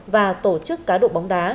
và tổ chức cá độ bóng đá